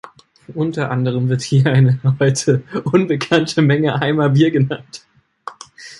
Unter anderem wird hier eine heute unbekannte Menge Eimer Bier genannt.